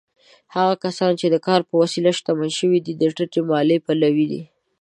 هغه کسان چې د کار په وسیله شتمن شوي، د ټیټې مالیې پلوي دي.